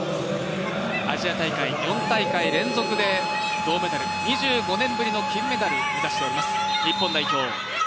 アジア大会４大会連続で銅メダル２５年ぶりの金メダルを目指しています、日本代表。